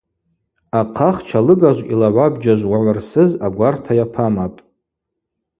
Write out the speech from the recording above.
Ахъахча лыгажв йла гӏвабджьажв уагӏвырсыз агварта йапамапӏ.